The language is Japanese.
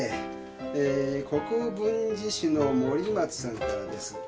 国分寺市の森松さんからです。